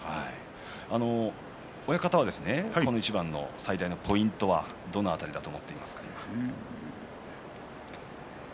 親方はこの一番の最大のポイントはどのあたりだと思っていますか。